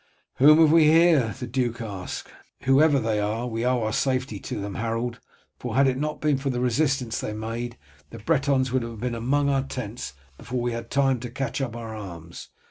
"Whom have we here?" the duke asked. "Whoever they are we owe our safety to them, Harold, for had it not been for the resistance they made, the Bretons would have been among our tents before we had time to catch up our arms.